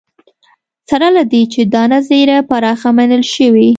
سره له دې چې دا نظریه پراخه منل شوې.